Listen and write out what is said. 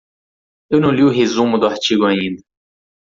Eu não li o resumo do artigo ainda.